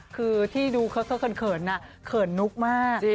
คือที่ดูเขาเขินเขินนุ๊กมาก